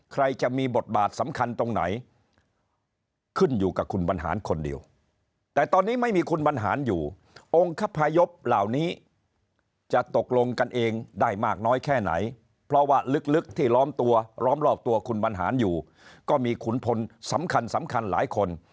ใครจะมีบทบาทสำคัญตรงไหน